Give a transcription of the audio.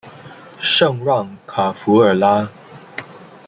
圣让卡弗尔拉。